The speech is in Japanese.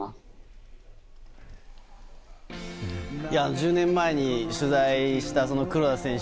１０年前に取材した黒田選手